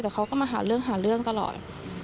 แต่เขาก็มาหาเรื่องตลอด